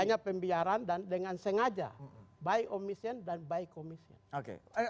ini adalah perbedaan kebijakan negara yang diberikan oleh negara